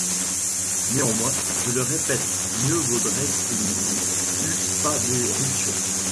Néanmoins, je le répète, mieux vaudrait qu’il n’y eût pas d’éruption